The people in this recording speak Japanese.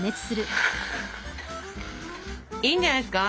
いいんじゃないですか。